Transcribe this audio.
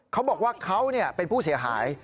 เขาบอกว่าเขาเป็นผู้เสียหาย